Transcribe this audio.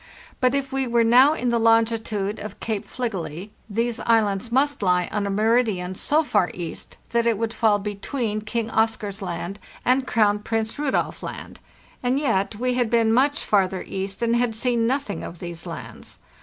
But if we were now in the longitude of Cape Fligely these islands must lie on a meridian so far east that it would fall between King Oscar's Land and Crown Prince Rudolf Land; and yet we had been much farther east and had seen nothing of these lands.